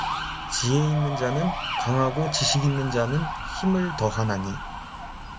지혜 있는 자는 강하고 지식 있는 자는 힘을 더하나니